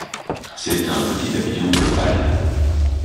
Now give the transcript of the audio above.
C'est un petit papillon bleu pâle.